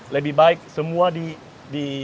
lebih baik semua dipotong gaji